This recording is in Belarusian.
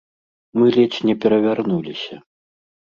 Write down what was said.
Мы ледзь не перавярнуліся.